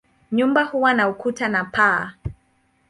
Nyumba huwa na ukuta na paa.